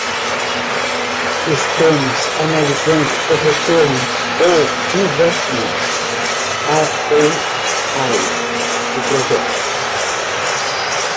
Estamos analisando o retorno on investment (ROI) do projeto.